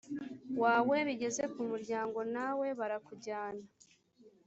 wawe bigeze ku muryango nawe barakujyana